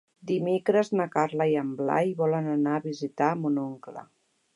Dimecres na Carla i en Blai volen anar a visitar mon oncle.